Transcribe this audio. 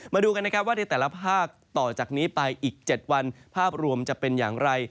มาดูกันนะครับว่าในแต่ละภาคต่อจากนี้ไปอีก๗วันภาพรวมจะเป็นอย่างไร